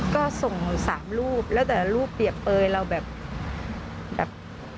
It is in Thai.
ก็ส่งสามรูปแล้วแต่รูปเปรียบเปยเราแบบ